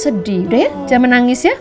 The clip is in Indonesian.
sedih udah ya jangan nangis ya